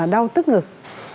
đau tức ngực